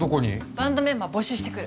バンドメンバー募集してくる。